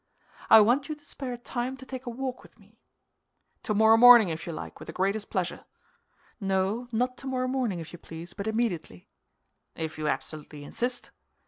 'I want you to spare time to take a walk with me.' 'Tomorrow morning, if you like, with the greatest pleasure.' 'No, not tomorrow morning, if you please, but immediately.' 'If you absolutely insist.